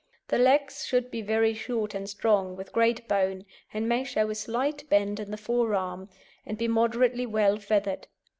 The legs should be very short and strong, with great bone, and may show a slight bend in the forearm, and be moderately well feathered.